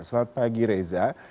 selamat pagi reza